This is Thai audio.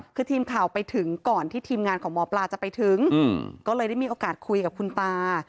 คือทีมข่าวไปถึงก่อนที่ทีมงานของหมอปลาจะไปถึงก็เลยได้มีโอกาสคุยกับคุณตา